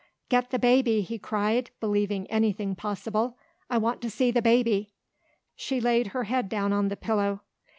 "Get the baby!" he cried, believing anything possible. "I want to see the baby!" She laid her head down on the pillow.